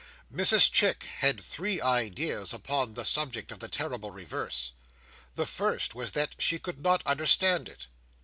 Mrs Chick had three ideas upon the subject of the terrible reverse. The first was that she could not understand it.